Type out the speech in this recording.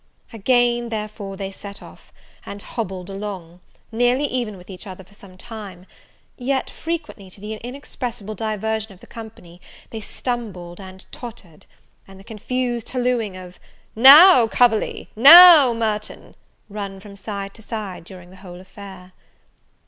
Again therefore they set off, and hobbled along, nearly even with each other, for some time; yet frequently, to the inexpressible diversion of the company, they stumbled and tottered; and the confused hallooing of "Now, Coverley!" "Now, Merton!" run from side to side during the whole affair.